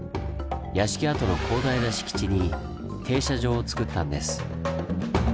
屋敷跡の広大な敷地に停車場をつくったんです。